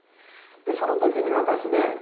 その時に私ね